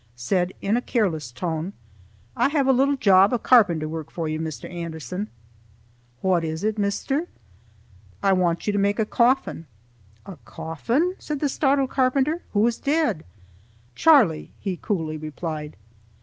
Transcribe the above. said in a careless tone: "I have a little job of carpenter work for you, Mr. Anderson." "What is it, Mr. ——?" "I want you to make a coffin." "A coffin!" said the startled carpenter. "Who is dead?" "Charlie," he coolly replied.